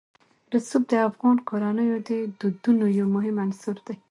رسوب د افغان کورنیو د دودونو یو مهم عنصر دی.